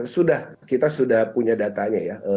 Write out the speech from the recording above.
sudah kita sudah punya datanya ya